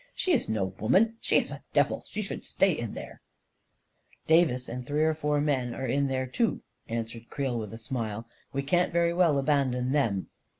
" She iss no woman — she iss a devil !• She should stay in there 1 "" Davis and three or four men are in there, too," answered Creel, with a smile. " We can't very well abandon them